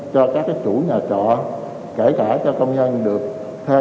cho các cái chủ nhà trọ kể cả cho công nhân được thê